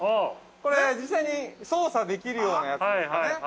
これ、実際に操作できるようなやつですかね。